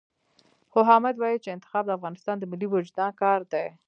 خو حامد ويل چې انتخاب د افغانستان د ملي وُجدان کار دی.